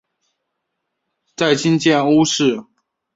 在今建瓯市。